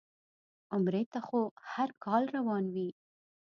عمرې ته خو هر کال روان وي.